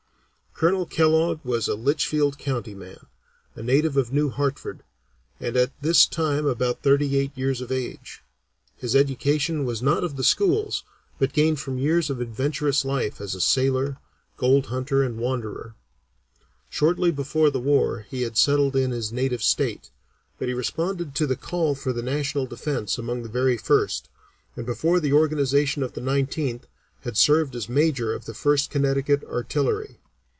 Colonel Kellogg was a Litchfield County man, a native of New Hartford, and at this time about thirty eight years of age. His education was not of the schools, but gained from years of adventurous life as sailor, gold hunter, and wanderer. Shortly before the war he had settled in his native state, but he responded to the call for the national defence among the very first, and before the organization of the Nineteenth had served as Major of the First Connecticut Artillery.